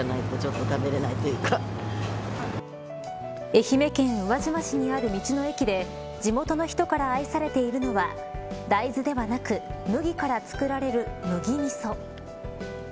愛媛県宇和島市にある道の駅で地元の人から愛されているのは大豆ではなく麦から作られる麦みそ。